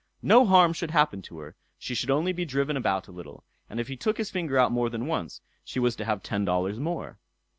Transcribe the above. No harm should happen to her; she should only be driven about a little; and if he took his finger out more than once, she was to have ten dollars more.